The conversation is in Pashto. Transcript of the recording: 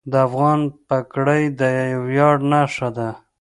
د افغان پګړۍ د ویاړ نښه ده.